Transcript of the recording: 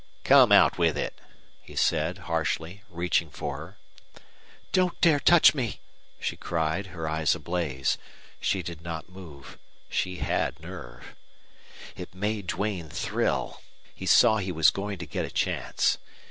"Come out with it!" he said, harshly, reaching for her. "Don't dare touch me!" she cried, her eyes ablaze. She did not move. She had nerve. It made Duane thrill. He saw he was going to get a chance.